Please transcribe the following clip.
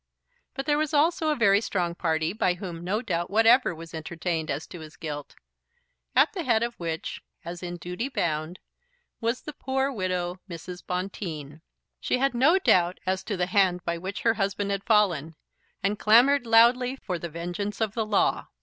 But there was also a very strong party by whom no doubt whatever was entertained as to his guilt, at the head of which, as in duty bound, was the poor widow, Mrs. Bonteen. She had no doubt as to the hand by which her husband had fallen, and clamoured loudly for the vengeance of the law.